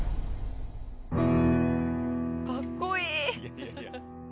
かっこいい！